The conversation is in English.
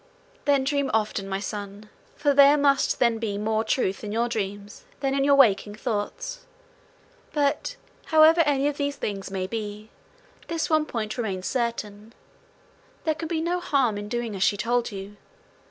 'Then dream often, my son; for there must then be more truth in your dreams than in your waking thoughts. But however any of these things may be, this one point remains certain: there can be no harm in doing as she told you.